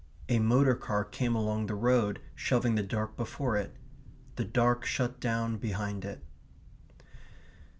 A motor car came along the road shoving the dark before it .... The dark shut down behind it....